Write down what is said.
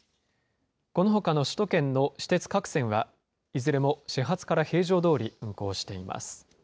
このほかの首都圏の私鉄各線は、いずれも始発から平常どおり運行しています。